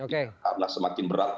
karena semakin berat